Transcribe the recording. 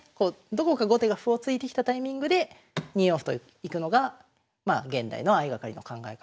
どこか後手が歩を突いてきたタイミングで２四歩といくのが現代の相掛かりの考え方の一つですね。